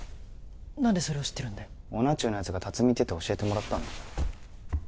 何でそれを知ってるんだよおな中の奴が龍海行ってて教えてもらったんだよ